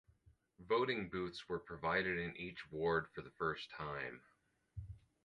Voting booths were provided in each ward for the first time.